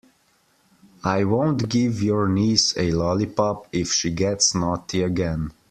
I won't give your niece a lollipop if she gets naughty again.